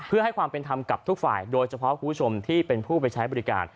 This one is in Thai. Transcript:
เพื่อให้ความเป็นธรรมกับทุกฝ่ายโดยเฉพาะคุณผู้ชมที่เป็นผู้ไปใช้บริการ